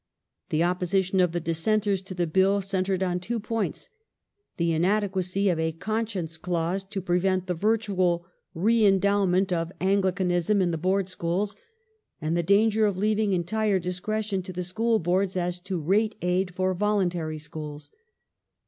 The opposition of the Dissenter's to the Bill centred on two points : the inadequacy of a conscience clause to prevent the virtual " re endowment of Angli 26 402 NATIONAL EDUCATION [1833. canism " in the Board schools ; and the danger of leaving entire discretion to the School Boards as to rate aid for voluntary schools.